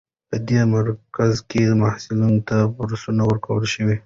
په دې مرکز کې محصلانو ته بورسونه ورکړل شول.